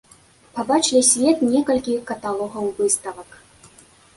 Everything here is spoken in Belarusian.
Пабачылі свет некалькі каталогаў выставак.